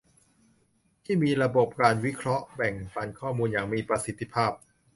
ที่มีระบบการวิเคราะห์แบ่งปันข้อมูลอย่างมีประสิทธิภาพ